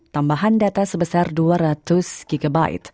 tambahan data sebesar dua ratus gb